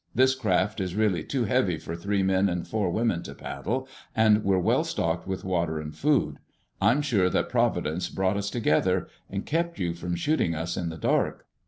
This craft is really too heavy for three men and four women to paddle, and we're well stocked with water and food. I'm sure that Providence brought us together—and kept you from shooting us in the dark."